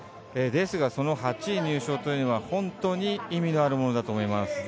ですが、８位入賞というのは本当に意味のあるものだと思います。